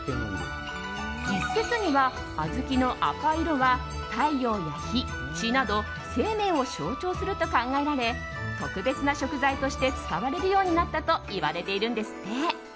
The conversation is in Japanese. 一説には小豆の赤い色は太陽や火、血など生命を象徴すると考えられ特別な食材として使われるようになったといわれているんですって。